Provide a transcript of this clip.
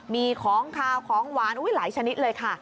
มีของขาวของหวานหลายชนิดเลยค่ะ